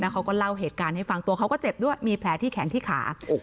เขาก็เล่าเหตุการณ์ให้ฟังตัวเขาก็เจ็บด้วยมีแผลที่แขนที่ขา